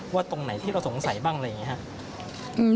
ตรงไหนที่เราสงสัยบ้างอะไรอย่างนี้ครับ